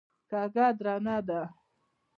کږه درانه ده.